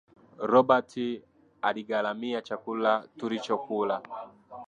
Robert aligharamia chakula tulichokula